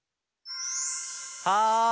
はい！